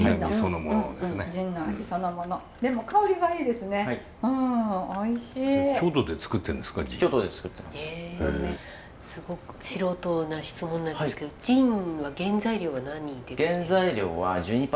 すごく素人な質問なんですけどジンは原材料は何で出来てるんですか？